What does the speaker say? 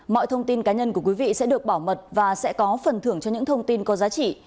mọi thông tin cá nhân của quý vị sẽ được bảo mật và sẽ có phần thưởng cho những thông tin có giá trị